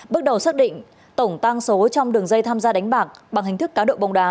bước đầu xác định tổng tăng số trong đường dây tham gia đánh bạc bằng hình thức cá độ bóng đá